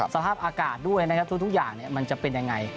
สภาพอากาศด้วยนะครับทุกอย่างมันจะเป็นยังไง